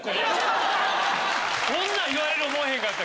そんなん言われる思えへんかった。